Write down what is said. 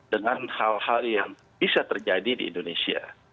dengan hal hal yang bisa terjadi di indonesia